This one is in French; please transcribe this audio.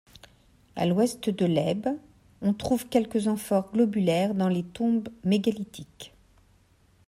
À l'ouest de l'Elbe, on trouve quelques amphores globulaires dans des tombes mégalithiques.